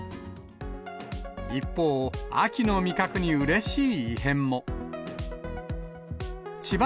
一方、秋の味覚にうれしい異変も。